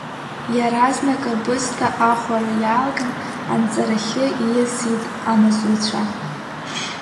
Иаразнак абысҭа ахәара иаалган, анҵарахьы ииасит амаҵуцәа.